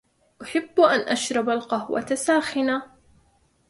أحب أن أشرب القهوة ساخنة